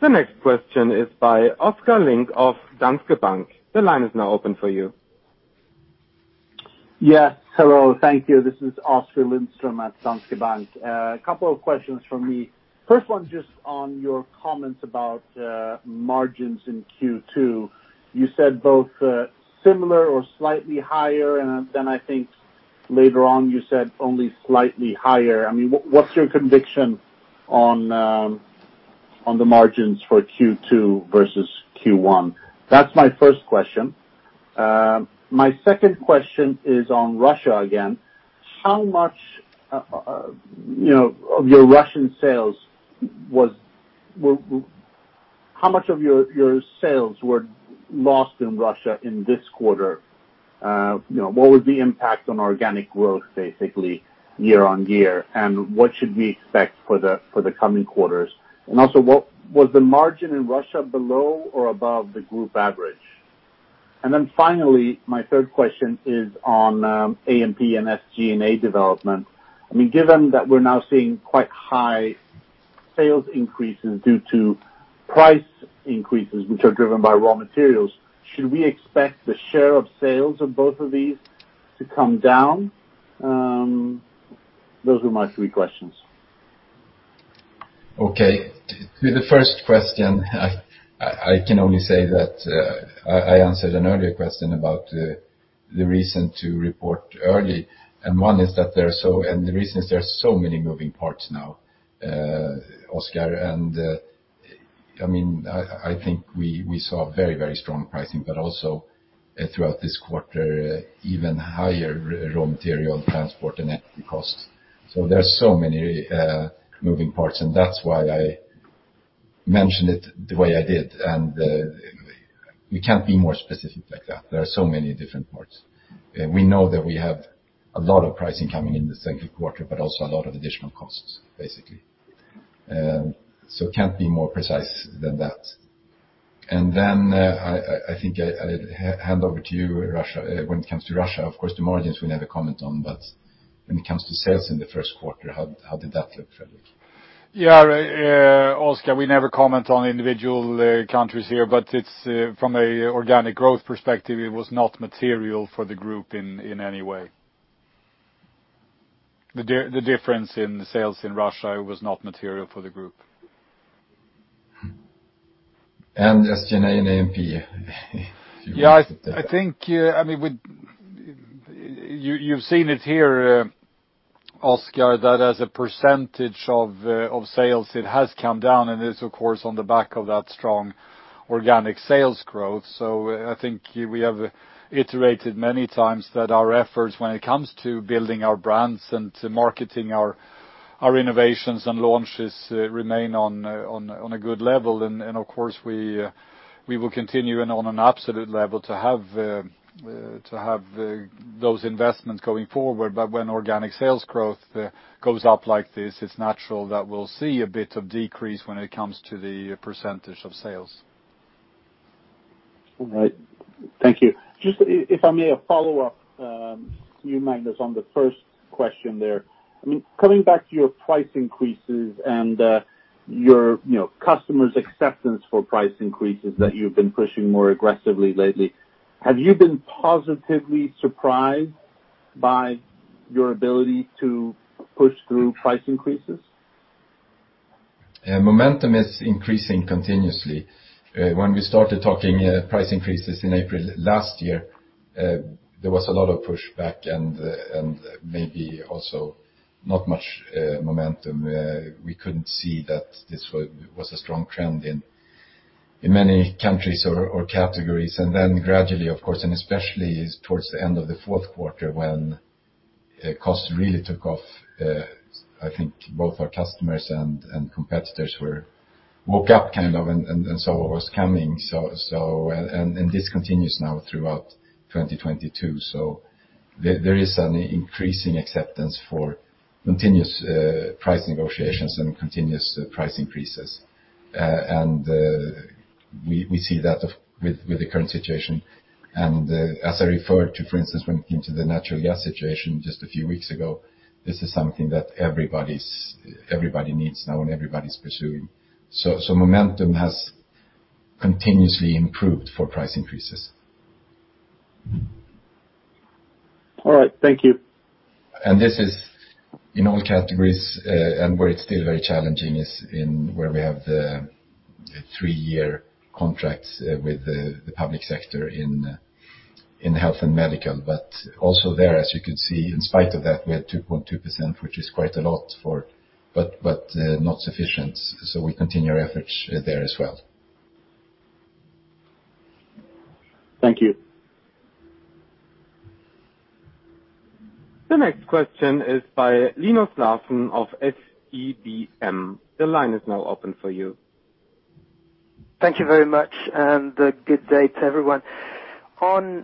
Speaker 3: The next question is by Oskar Lindström of Danske Bank. The line is now open for you.
Speaker 10: Yes. Hello. Thank you. This is Oskar Lindström at Danske Bank. A couple of questions from me. First one just on your comments about margins in Q2. You said both similar or slightly higher, and then I think later on you said only slightly higher. I mean, what's your conviction on the margins for Q2 versus Q1? That's my first question. My second question is on Russia again. How much, you know, of your Russian sales was how much of your sales were lost in Russia in this quarter? You know, what was the impact on organic growth, basically, year-on-year? And what should we expect for the coming quarters? And also, what was the margin in Russia below or above the group average? My third question is on A&P and SG&A development. I mean, given that we're now seeing quite high sales increases due to price increases, which are driven by raw materials, should we expect the share of sales of both of these to come down? Those are my three questions.
Speaker 2: Okay. To the first question, I can only say that, I answered an earlier question about the reason to report early, and one is that there are so many moving parts now, Oskar, and, I mean, I think we saw very, very strong pricing, but also throughout this quarter, even higher raw material transport and energy costs. There are so many moving parts, and that's why I mentioned it the way I did. We can't be more specific like that. There are so many different parts. We know that we have a lot of pricing coming in the second quarter, but also a lot of additional costs, basically. Can't be more precise than that. I think I'd hand over to you. When it comes to Russia, of course, the margins we never comment on, but when it comes to sales in the first quarter, how did that look, Fredrik?
Speaker 5: Oskar, we never comment on individual countries here, but it's from an organic growth perspective, it was not material for the group in any way. The difference in sales in Russia was not material for the group.
Speaker 2: Just G&A and A&P.
Speaker 5: Yeah. I think, I mean, with... You've seen it here, Oskar, that as a percentage of sales, it has come down, and it's of course on the back of that strong organic sales growth. I think we have iterated many times that our efforts when it comes to building our brands and to marketing our innovations and launches remain on a good level. Of course, we will continue and on an absolute level to have those investments going forward. When organic sales growth goes up like this, it's natural that we'll see a bit of decrease when it comes to the percentage of sales.
Speaker 10: All right. Thank you. Just if I may follow up, you, Magnus, on the first question there. I mean, coming back to your price increases and, your, you know, customers' acceptance for price increases that you've been pushing more aggressively lately, have you been positively surprised by your ability to push through price increases?
Speaker 2: Yeah, momentum is increasing continuously. When we started talking price increases in April last year, there was a lot of pushback and maybe also not much momentum. We couldn't see that this was a strong trend in many countries or categories. Then gradually, of course, and especially towards the end of the fourth quarter when costs really took off, I think both our customers and competitors woke up kind of and saw what was coming. This continues now throughout 2022. There is an increasing acceptance for continuous price negotiations and continuous price increases. We see that with the current situation. As I referred to, for instance, when it came to the natural gas situation just a few weeks ago, this is something that everybody needs now and everybody's pursuing. Momentum has continuously improved for price increases.
Speaker 10: All right. Thank you.
Speaker 2: This is in all categories, and where it's still very challenging is where we have the three-year contracts with the public sector in Health & Medical. Also there, as you can see, in spite of that, we had 2.2%, which is quite a lot, but not sufficient. We continue our efforts there as well.
Speaker 10: Thank you.
Speaker 3: The next question is by Linus Larsson of SEB. The line is now open for you.
Speaker 11: Thank you very much, and good day to everyone. On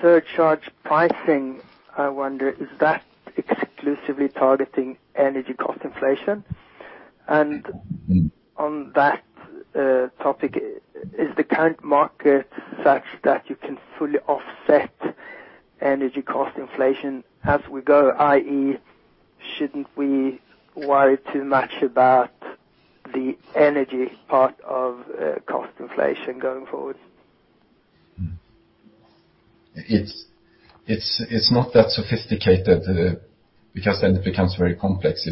Speaker 11: surcharge pricing, I wonder, is that exclusively targeting energy cost inflation? On that topic, is the current market such that you can fully offset energy cost inflation as we go, i.e., shouldn't we worry too much about the energy part of cost inflation going forward?
Speaker 2: It's not that sophisticated because then it becomes very complex,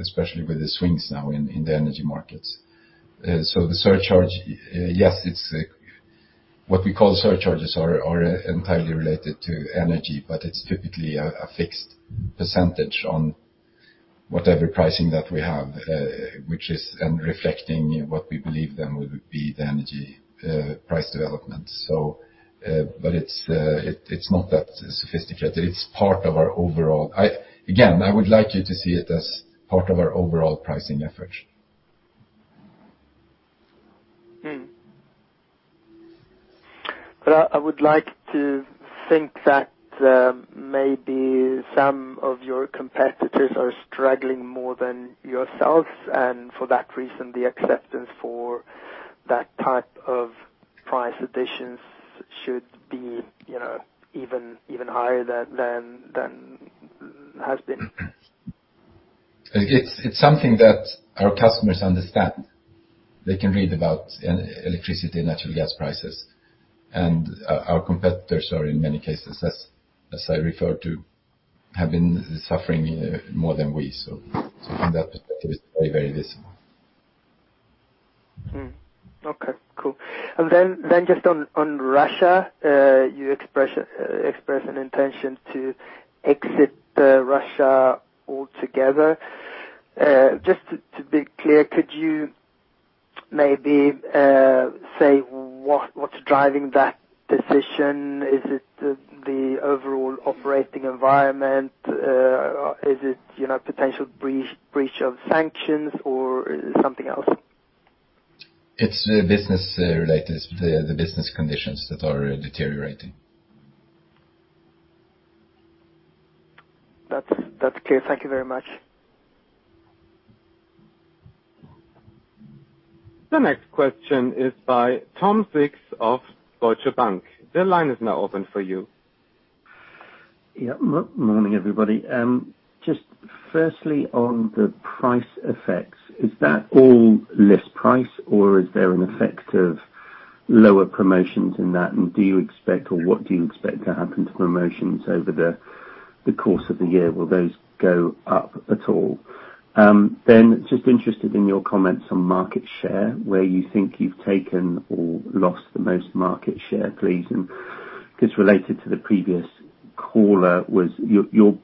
Speaker 2: especially with the swings now in the energy markets. The surcharge, yes. What we call surcharges are entirely related to energy, but it's typically a fixed percentage on whatever pricing that we have, which is and reflecting what we believe then will be the energy price development. It's not that sophisticated. Again, I would like you to see it as part of our overall pricing effort.
Speaker 11: I would like to think that maybe some of your competitors are struggling more than yourselves, and for that reason, the acceptance for that type of price additions should be, you know, even higher than has been.
Speaker 2: It's something that our customers understand. They can read about electricity and natural gas prices. Our competitors are in many cases, as I refer to, have been suffering more than we. From that perspective, it's very, very decent.
Speaker 11: Okay, cool. Just on Russia, you express an intention to exit Russia altogether. Just to be clear, could you maybe say what's driving that decision? Is it the overall operating environment? Is it, you know, potential breach of sanctions or is it something else?
Speaker 2: It's business related. The business conditions that are deteriorating.
Speaker 11: That's clear. Thank you very much.
Speaker 3: The next question is by Tom Sykes of Deutsche Bank. The line is now open for you.
Speaker 12: Morning, everybody. Just firstly, on the price effects, is that all list price, or is there an effect of lower promotions in that? What do you expect to happen to promotions over the course of the year? Will those go up at all? I'm just interested in your comments on market share, where you think you've taken or lost the most market share, please. Just related to the previous caller, your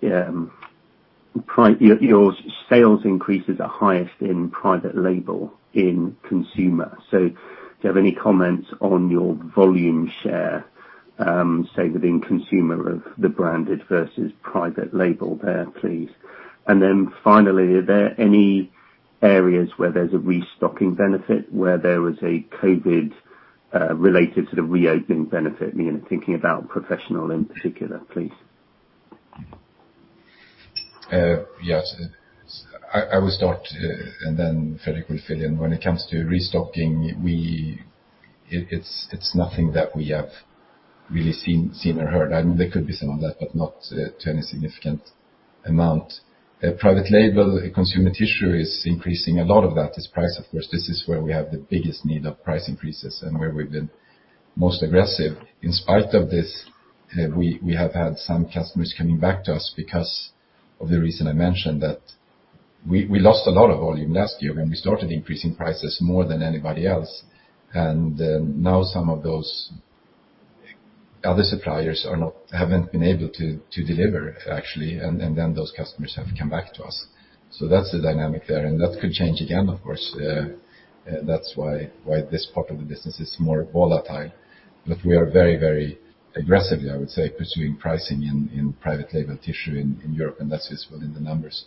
Speaker 12: sales increases are highest in private label in consumer. Do you have any comments on your volume share, say, within consumer of the branded versus private label there, please? Finally, are there any areas where there's a restocking benefit, where there was a COVID related to the reopening benefit? You know, thinking about professional in particular, please.
Speaker 2: Yes. I will start, and then Fredrik will fill in. When it comes to restocking, it's nothing that we have really seen or heard. I mean, there could be some of that, but not to any significant amount. Private label consumer tissue is increasing. A lot of that is price, of course. This is where we have the biggest need of price increases and where we've been most aggressive. In spite of this, we have had some customers coming back to us because of the reason I mentioned that we lost a lot of volume last year when we started increasing prices more than anybody else. Now some of those other suppliers haven't been able to deliver actually. Those customers have come back to us. That's the dynamic there. That could change again, of course. That's why this part of the business is more volatile. We are very aggressively, I would say, pursuing pricing in private label tissue in Europe, and that's visible in the numbers.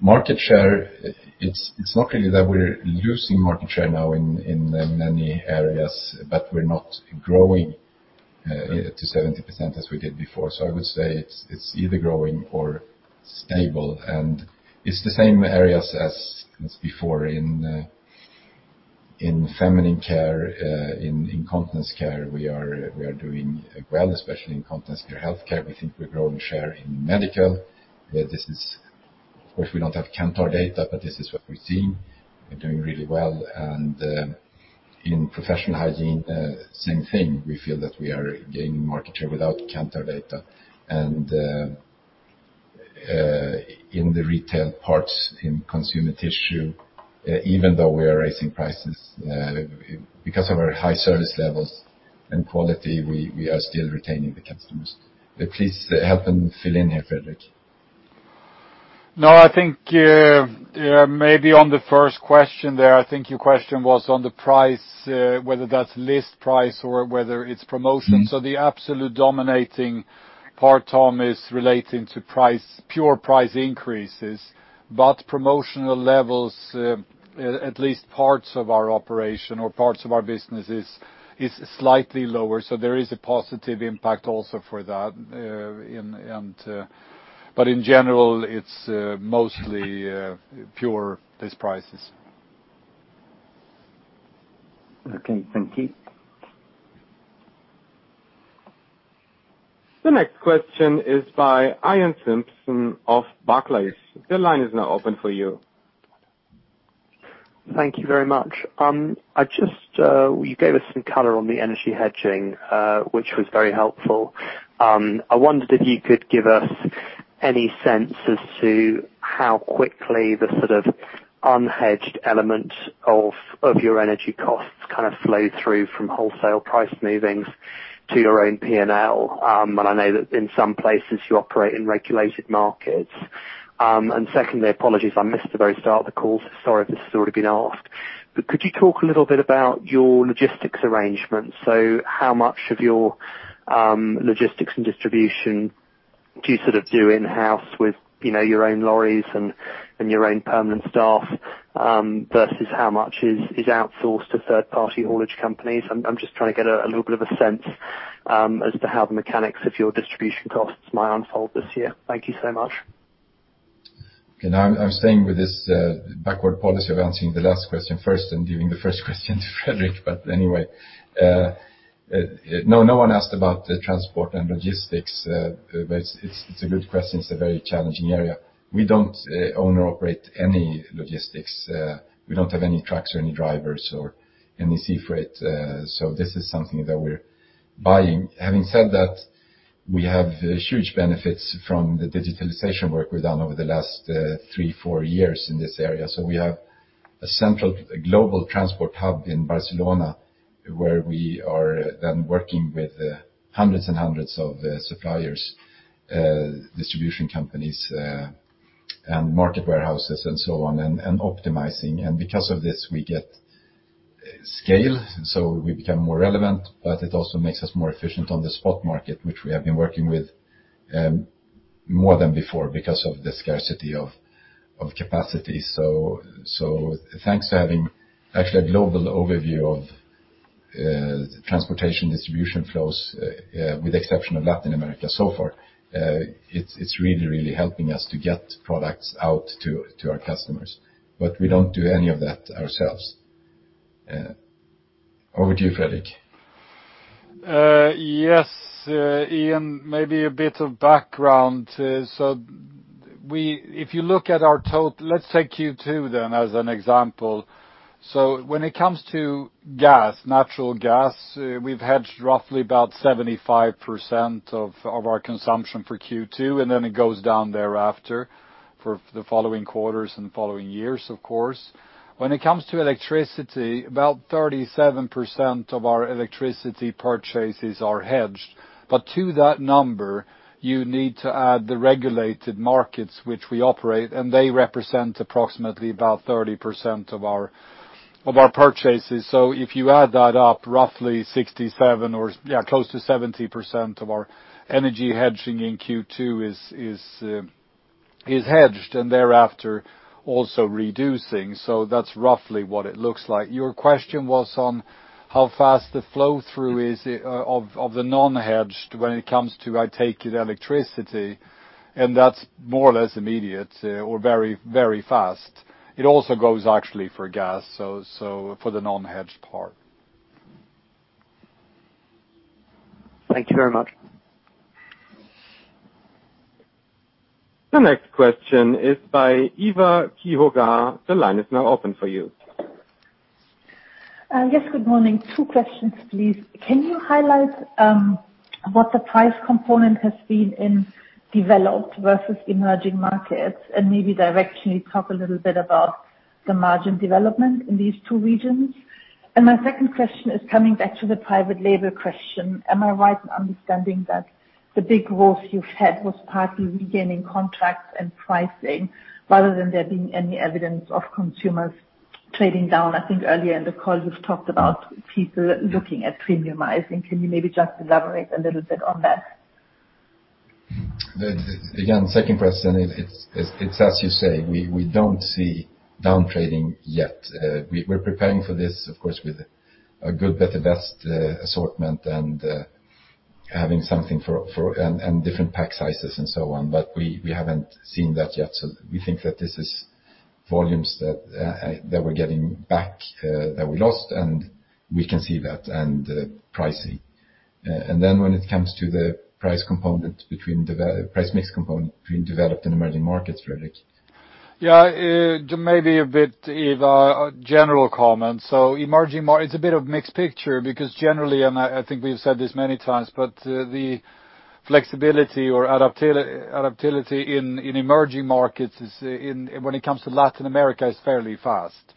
Speaker 2: Market share, it's not really that we're losing market share now in many areas, but we're not growing to 70% as we did before. I would say it's either growing or stable, and it's the same areas as before in Feminine Care, in Incontinence Care, we are doing well, especially in Incontinence Care Health Care. We think we're growing share in Medical. This is, of course, we don't have Kantar data, but this is what we're seeing. We're doing really well. In Professional Hygiene, same thing. We feel that we are gaining market share without Kantar data. In the retail parts, in consumer tissue, even though we are raising prices, because of our high service levels and quality, we are still retaining the customers. Please help them fill in here, Fredrik.
Speaker 5: No, I think, maybe on the first question there, I think your question was on the price, whether that's list price or whether it's promotion.
Speaker 2: Mm-hmm.
Speaker 5: The absolute dominating part, Tom, is relating to price, pure price increases. Promotional levels, at least parts of our operation or parts of our business is slightly lower. There is a positive impact also for that. In general, it's mostly pure list prices.
Speaker 12: Okay, thank you.
Speaker 3: The next question is by Iain Simpson of Barclays. The line is now open for you.
Speaker 13: Thank you very much. I just, you gave us some color on the energy hedging, which was very helpful. I wondered if you could give us any sense as to how quickly the sort of unhedged element of your energy costs kind of flow through from wholesale price movements to your own P&L. I know that in some places you operate in regulated markets. Secondly, apologies, I missed the very start of the call, so sorry if this has already been asked. Could you talk a little bit about your logistics arrangements? How much of your logistics and distribution do you sort of do in-house with, you know, your own trucks and your own permanent staff, versus how much is outsourced to third-party haulage companies? I'm just trying to get a little bit of a sense as to how the mechanics of your distribution costs might unfold this year. Thank you so much.
Speaker 2: Okay. Now I'm staying with this backward policy of answering the last question first and giving the first question to Fredrik. Anyway, no one asked about the transport and logistics, but it's a good question. It's a very challenging area. We don't own or operate any logistics. We don't have any trucks or any drivers or any sea freight, so this is something that we're buying. Having said that, we have huge benefits from the digitalization work we've done over the last three, four years in this area. We have a central global transport hub in Barcelona where we are then working with hundreds and hundreds of suppliers, distribution companies, and market warehouses and so on, and optimizing. Because of this, we get scale, so we become more relevant, but it also makes us more efficient on the spot market, which we have been working with more than before because of the scarcity of capacity. So thanks to having actually a global overview of transportation distribution flows with the exception of Latin America so far, it's really helping us to get products out to our customers. But we don't do any of that ourselves. Over to you, Fredrik.
Speaker 5: Ian, maybe a bit of background. Let's take Q2 then as an example. When it comes to gas, natural gas, we've hedged roughly about 75% of our consumption for Q2, and then it goes down thereafter for the following quarters and following years, of course. When it comes to electricity, about 37% of our electricity purchases are hedged. To that number, you need to add the regulated markets which we operate, and they represent approximately about 30% of our purchases. If you add that up, roughly 67% or, yeah, close to 70% of our energy hedging in Q2 is hedged and thereafter also reducing. That's roughly what it looks like. Your question was on how fast the flow-through is of the non-hedged when it comes to, I take it, electricity, and that's more or less immediate or very, very fast. It also goes actually for gas, so for the non-hedged part.
Speaker 13: Thank you very much.
Speaker 3: The next question is by Eva Quiroga. The line is now open for you.
Speaker 14: Yes. Good morning. Two questions, please. Can you highlight what the price component has been in developed versus emerging markets, and maybe directionally talk a little bit about the margin development in these two regions? My second question is coming back to the private label question. Am I right in understanding that the big growth you've had was partly regaining contracts and pricing rather than there being any evidence of consumers trading down? I think earlier in the call, you've talked about people looking at premiumizing. Can you maybe just elaborate a little bit on that?
Speaker 2: Again, second question, it's as you say, we don't see downtrading yet. We're preparing for this, of course, with a good better best assortment and having something for different pack sizes and so on. We haven't seen that yet. We think that this is volumes that we're getting back that we lost, and we can see that, and pricing. When it comes to the price mix component between developed and emerging markets, Fredrik.
Speaker 5: Yeah, maybe a bit, Eva, a general comment. It's a bit of mixed picture because generally, I think we've said this many times, but the flexibility or adaptability in emerging markets when it comes to Latin America is fairly fast.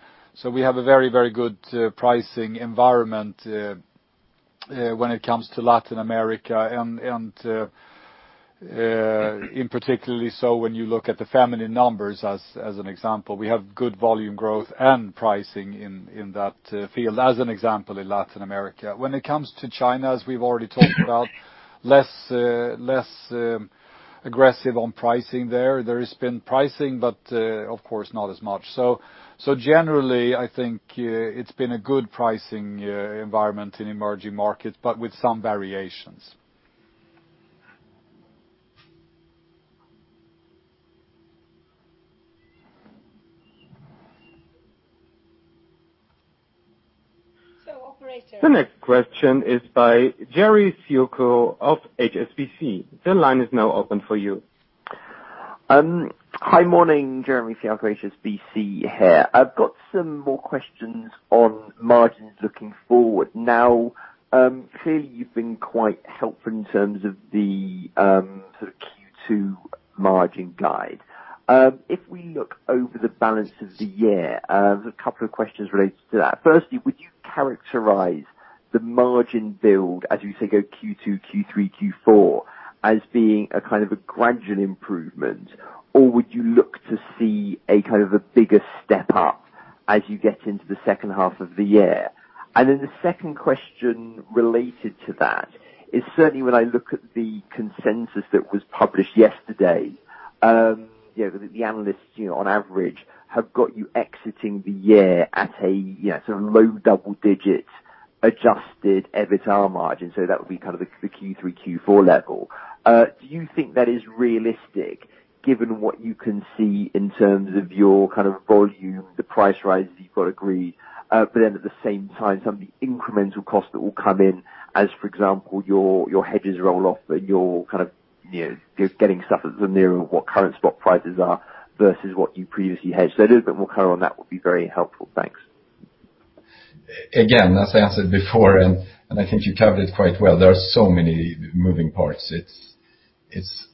Speaker 5: We have a very, very good pricing environment when it comes to Latin America. In particular so when you look at the family numbers as an example. We have good volume growth and pricing in that field, as an example, in Latin America. When it comes to China, as we've already talked about, less aggressive on pricing there. There has been pricing, but of course, not as much. Generally, I think it's been a good pricing environment in emerging markets, but with some variations.
Speaker 1: Operator.
Speaker 3: The next question is by Jeremy Fialko of HSBC. The line is now open for you.
Speaker 15: Hi. Morning. Jeremy Fialko, HSBC here. I've got some more questions on margins looking forward. Now, clearly you've been quite helpful in terms of the sort of Q2 margin guide. If we look over the balance of the year, there's a couple of questions related to that. Firstly, would you characterize the margin build, as you say, go Q2, Q3, Q4, as being a kind of a gradual improvement, or would you look to see a kind of a bigger step up as you get into the second half of the year? The second question related to that is, certainly when I look at the consensus that was published yesterday, you know, the analysts, you know, on average have got you exiting the year at a, you know, sort of low double-digit adjusted EBITA margin, so that would be kind of the Q3, Q4 level. Do you think that is realistic? Given what you can see in terms of your kind of volume, the price rise you've got agreed. But then at the same time, some of the incremental costs that will come in as, for example, your hedges roll off, but you're kind of, you know, you're getting stuff at the near of what current spot prices are versus what you previously hedged. So a little bit more color on that would be very helpful. Thanks.
Speaker 2: Again, as I answered before, and I think you covered it quite well, there are so many moving parts. It's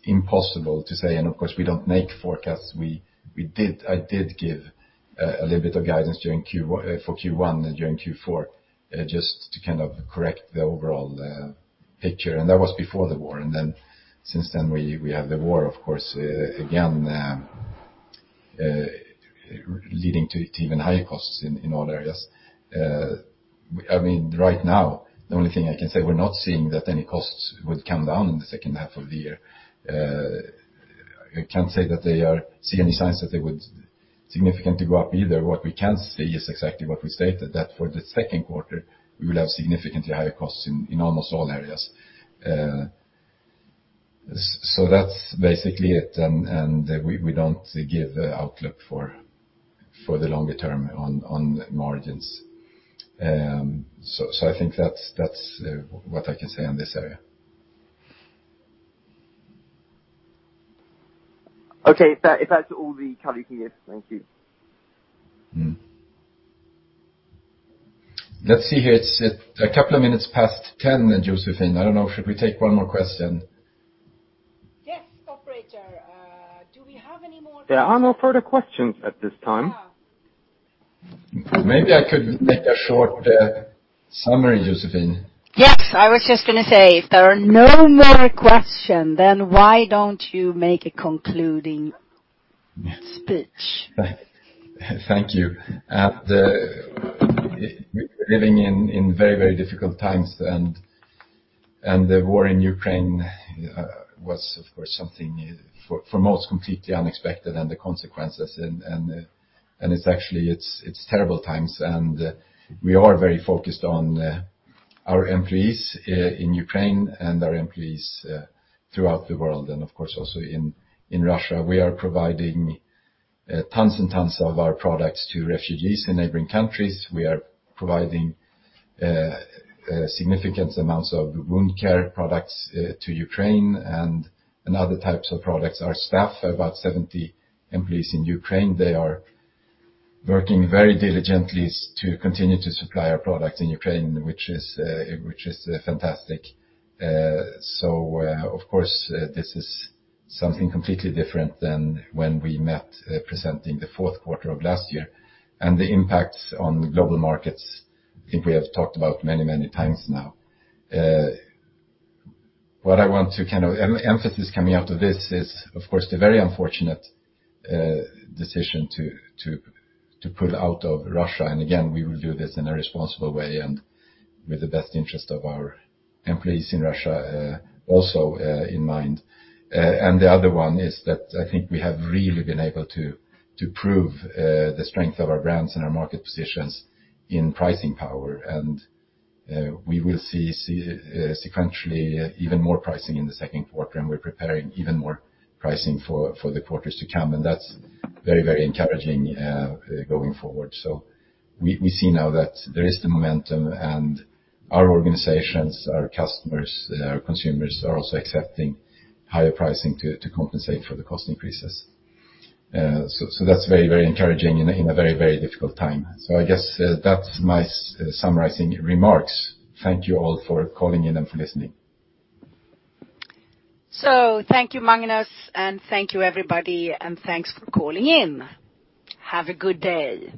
Speaker 2: impossible to say, and of course, we don't make forecasts. I did give a little bit of guidance during Q4 for Q1 as during Q4, just to kind of correct the overall picture, and that was before the war. Since then we have the war, of course, again, leading to even higher costs in all areas. I mean, right now, the only thing I can say, we're not seeing that any costs would come down in the second half of the year. I can't say that we're seeing any signs that they would significantly go up either. What we can say is exactly what we stated, that for the second quarter, we will have significantly higher costs in almost all areas. So that's basically it. We don't give an outlook for the longer term on margins. So I think that's what I can say on this area.
Speaker 15: Okay. If that's all the color you can give. Thank you.
Speaker 2: Mm-hmm. Let's see here. It's a couple of minutes past ten, Joséphine. I don't know, should we take one more question?
Speaker 1: Yes. Operator, do we have any more questions?
Speaker 3: There are no further questions at this time.
Speaker 1: Yeah.
Speaker 2: Maybe I could make a short summary, Joséphine.
Speaker 1: Yes. I was just gonna say, if there are no more questions, then why don't you make a concluding speech?
Speaker 2: Thank you. We're living in very difficult times and the war in Ukraine was of course something for most completely unexpected and the consequences and it's actually terrible times. We are very focused on our employees in Ukraine and our employees throughout the world and of course also in Russia. We are providing tons and tons of our products to refugees in neighboring countries. We are providing significant amounts of wound care products to Ukraine and other types of products. Our staff, about 70 employees in Ukraine, they are working very diligently to continue to supply our product in Ukraine, which is fantastic. Of course, this is something completely different than when we met, presenting the fourth quarter of last year. The impact on global markets, I think we have talked about many, many times now. What I want to kind of emphasis coming out of this is, of course, the very unfortunate decision to pull out of Russia. Again, we will do this in a responsible way and with the best interest of our employees in Russia, also, in mind. The other one is that I think we have really been able to prove the strength of our brands and our market positions in pricing power. We will see sequentially even more pricing in the second quarter, and we're preparing even more pricing for the quarters to come. That's very, very encouraging going forward. We see now that there is the momentum and our organizations, our customers, our consumers are also accepting higher pricing to compensate for the cost increases. That's very, very encouraging in a very, very difficult time. I guess that's my summarizing remarks. Thank you all for calling in and for listening.
Speaker 1: Thank you, Magnus, and thank you, everybody, and thanks for calling in. Have a good day.